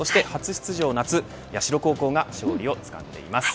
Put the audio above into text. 夏初出場の社高校が勝利をつかんでいます。